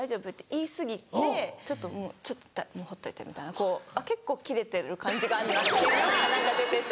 言い過ぎて「もうほっといて」みたいな結構キレてる感じがあるなっていうのは出てて。